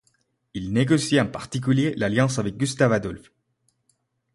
Il négocie en particulier l'alliance avec Gustave-Adolphe.